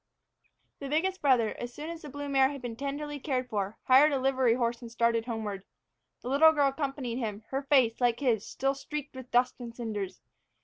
THE biggest brother, as soon as the blue mare had been tenderly cared for, hired a livery horse and started homeward. The little girl accompanied him, her face, like his, still streaked with dust and cinders.